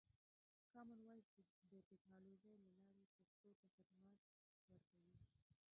کامن وایس د ټکنالوژۍ له لارې پښتو ته خدمت ورکوي.